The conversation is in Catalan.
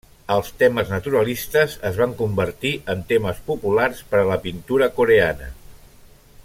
Els temes naturalistes es van convertir en temes populars per a la pintura coreana.